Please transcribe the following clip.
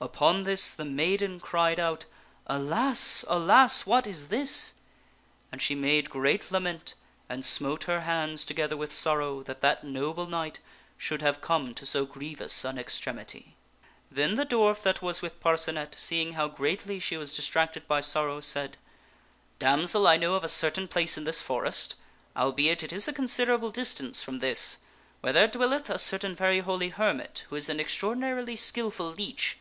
Upon this the maiden cried out, "Alas ! alas ! what is this !" and she made great lament and smote her hands together with sorrow that that noble knight should have come to so grievous an extremity. Then the dwarf that was with Parcenet, seeing how greatly she was distracted by sorrow, said, " Damsel, I know of a certain place in this forest (albeit it is a considerable distance from this) where there dwell eth a certain very holy hermit who is an extraordinarily skilful leech.